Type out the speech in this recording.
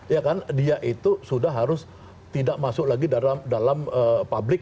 ya kan dia itu sudah harus tidak masuk lagi dalam publik